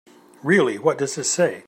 Really, what does it say?